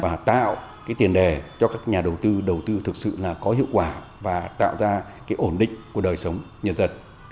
và tạo tiền đề cho các nhà đầu tư đầu tư thực sự có hiệu quả và tạo ra ổn định của đời sống nhân dân